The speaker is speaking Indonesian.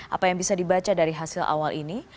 apa yang bisa dibaca dari hasil awal ini